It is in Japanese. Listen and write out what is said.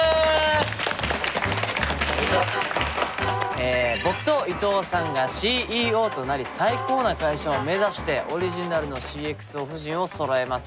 え僕と伊藤さんがＣＥＯとなり最高な会社を目指してオリジナルのＣｘＯ布陣をそろえますということでございます。